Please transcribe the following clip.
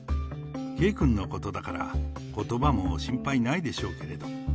圭君のことだから、ことばも心配ないでしょうけれど。